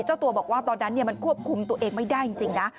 เจ้าตัวบอกว่าตอนนั้นมันควบคุมตัวเองไม่ได้จริงนะ